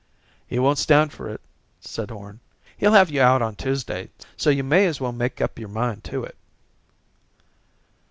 "He won't stand for it," said Horn. "He'll have you out on Tuesday, so you may as well make up your mind to it."